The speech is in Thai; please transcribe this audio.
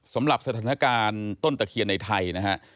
สำหรับสถานการณ์ต้นตะเคียนในไทยนะฮะ